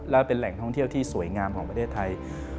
และเป็นแหล่งท่องเที่ยวที่สวยงามของประเทศไทย